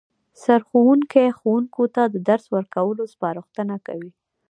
سرښوونکی ښوونکو ته د درس ورکولو سپارښتنه کوي